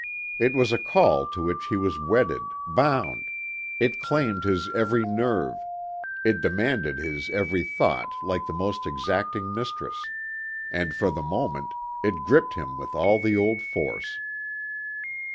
It was a call to which he was wedded, bound; it claimed his every nerve; it demanded his every thought like the most exacting mistress; and, for the moment, it gripped him with all the old force.